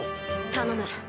頼む。